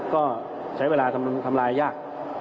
ก็ใช้เวลาทำลายยาก